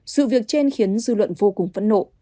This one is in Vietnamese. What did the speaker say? sự việc trên khiến dư luận vô cùng phẫn nộ